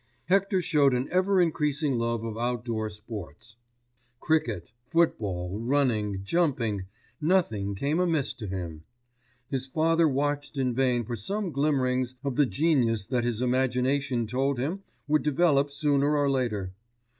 Hector showed an ever increasing love of outdoor sports. Cricket, football, running, jumping—nothing came amiss to him. His father watched in vain for some glimmerings of the genius that his imagination told him would develop sooner or later.